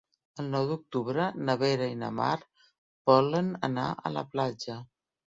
El nou d'octubre na Vera i na Mar volen anar a la platja.